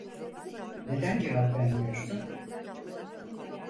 Neden cevap vermiyorsun?